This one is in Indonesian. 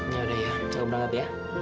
ya udah ya aku berangkat ya